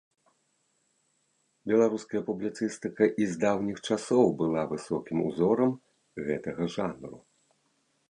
Беларуская публіцыстыка і з даўніх часоў была высокім узорам гэтага жанру.